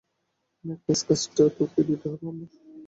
Magnus, কাজটা তোকেই দিতে হবে আমার।